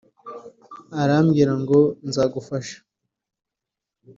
Arambwira ngo nzagufasha